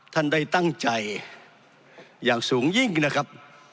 ท่านได้ตั้งใจอย่างสูงยิ่งนะครับ